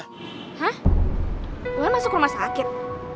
hah gue masuk rumah sakit